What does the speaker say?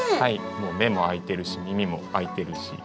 もう目も開いてるし耳も開いてるし。